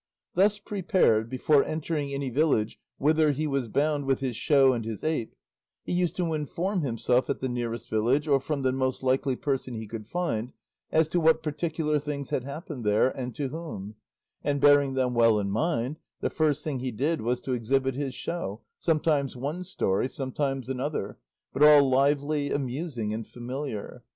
Thus prepared, before entering any village whither he was bound with his show and his ape, he used to inform himself at the nearest village, or from the most likely person he could find, as to what particular things had happened there, and to whom; and bearing them well in mind, the first thing he did was to exhibit his show, sometimes one story, sometimes another, but all lively, amusing, and familiar.